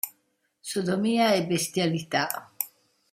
Sodomia e bestialità.